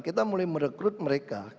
kita mulai merekrut mereka